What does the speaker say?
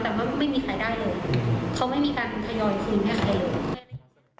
แต่ว่าไม่มีใครได้เลยเขาไม่มีการทยอยคืนให้ใครเลย